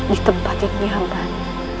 di tempat yang nyaman